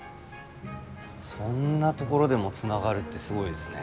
そんなところでもつながるってすごいですね。